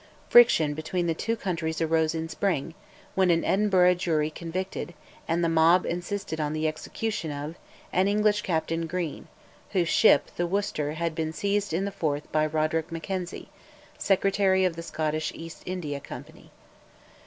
Friction between the two countries arose in spring, when an Edinburgh jury convicted, and the mob insisted on the execution of, an English Captain Green, whose ship, the Worcester, had been seized in the Forth by Roderick Mackenzie, Secretary of the Scottish East India Company.